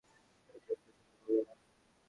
আমি জোক পছন্দ করি না।